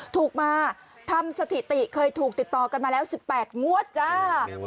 ถูกมาทำสถิติเคยถูกติดต่อกันมาแล้ว๑๘งวดจ้า